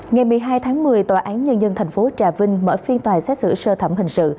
ngày một mươi hai tháng một mươi tòa án nhân dân tp trà vinh mở phiên tòa xét xử sơ thẩm hình sự